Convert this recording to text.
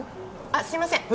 あっすいません